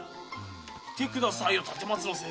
見てくださいよ立松の成績。